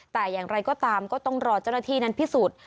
แต่อย่างไรก็ตามก็ต้องรอเจ้าหน้าที่นั้นพิสูจน์